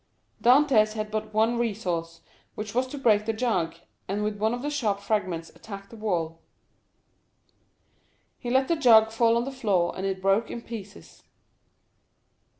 0189m Dantès had but one resource, which was to break the jug, and with one of the sharp fragments attack the wall. He let the jug fall on the floor, and it broke in pieces.